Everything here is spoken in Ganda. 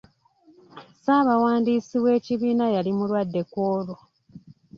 Ssabawandiisi weekibiina yali mulwadde ku olwo.